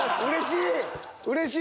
うれしい。